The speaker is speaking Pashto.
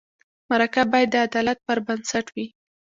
مرکه باید د عدالت پر بنسټ وي.